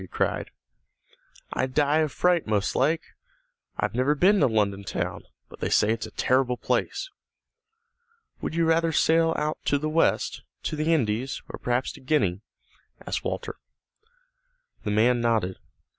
he cried. "I'd die of fright most like. I've never been to London town, but they say it's a terrible place!" "Would you rather sail out to the west, to the Indies, or perhaps to Guiana?" asked Walter. The man nodded.